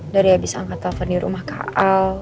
dari abis angkat telepon di rumah kak al